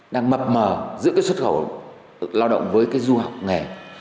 đang mập mờ giữa cái xuất khẩu lao động với cái du học nghề